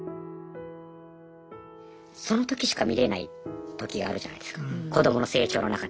その時しか見れない時があるじゃないですか子どもの成長の中で。